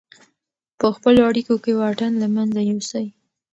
په خپلو اړیکو کې واټن له منځه یوسئ.